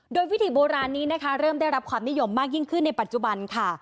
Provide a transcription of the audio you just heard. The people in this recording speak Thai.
โดยวิถีโบราณนี้นะคะเริ่มได้รับความนิยมมากยิ่งขึ้นในปัจจุบันค่ะ